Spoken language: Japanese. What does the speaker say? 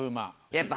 やっぱ。